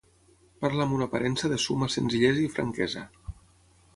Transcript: Parla amb una aparença de summa senzillesa i franquesa.